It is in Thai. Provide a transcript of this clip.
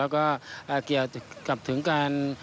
สวัสดีครับ